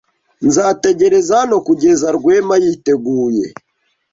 Nzategereza hano kugeza Rwema yiteguye.